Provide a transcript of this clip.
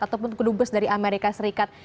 ataupun kedubes dari amerika serikat